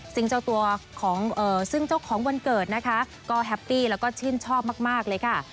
ซึ่งเจ้าตัวของซึ่งเจ้าของวันเกิดนะคะก็แฮปปี้แล้วก็ชื่นชอบมากเลยค่ะ